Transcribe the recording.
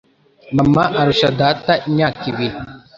Mama arusha data imyaka ibiri.